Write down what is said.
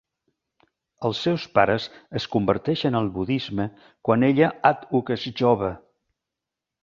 Els seus pares es converteixen al budisme quan ella àdhuc és jove.